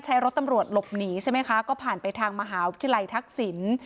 ใช้รถตำรวจหลบหนีใช่ไหมคะก็ผ่านไปทางมหาวิทยาลัยทักษิณ